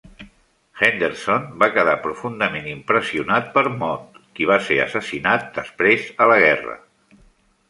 Henderson va quedar profundament impressionat per Mott, qui va ser assassinat després a la guerra.